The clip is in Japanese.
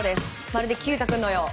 まるで毬太君のよう。